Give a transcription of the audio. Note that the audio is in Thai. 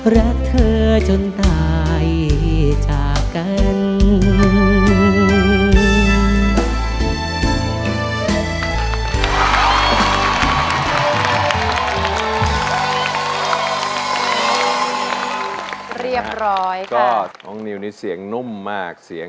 รักเธอจนตายจากกัน